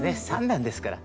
３段ですから。